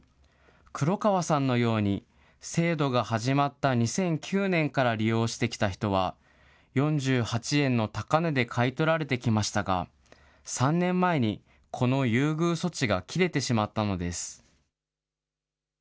黒川さんのように、制度が始まった２００９年から利用してきた人は４８円の高値で買い取られてきましたが、３年前にこの優遇措置が切れてしまったのです。